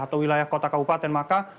atau wilayah kota kabupaten maka